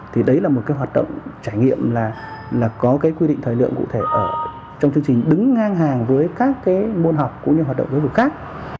thì đấy là một cái hoạt động trải nghiệm là có cái quy định thời lượng cụ thể ở trong chương trình đứng ngang hàng với các cái môn học cũng như hoạt động giáo dục khác